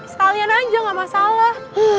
sekalian aja nggak masalah